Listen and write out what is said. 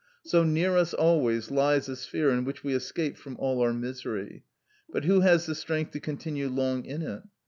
So near us always lies a sphere in which we escape from all our misery; but who has the strength to continue long in it?